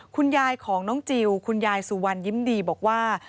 คุณยายของน้องจิลคุณยายสุวรรณยิ้มดีบอกว่า